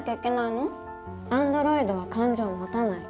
アンドロイドは感情を持たない。